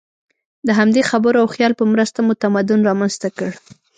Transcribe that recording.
د همدې خبرو او خیال په مرسته مو تمدن رامنځ ته کړ.